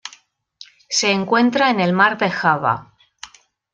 Se encuentra en el Mar de Java.